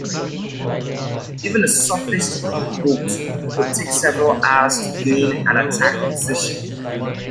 Even a surfaced U-boat could take several hours to gain an attack position.